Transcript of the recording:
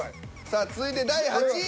さあ続いて第８位。